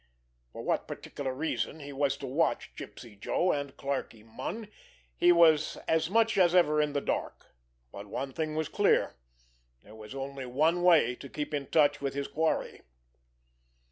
For what particular reason he was to watch Gypsy Joe and Clarkie Munn he was as much as ever in the dark; but one thing was clear—there was only one way to keep in touch with his quarry.